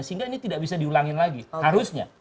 sehingga ini tidak bisa diulangin lagi harusnya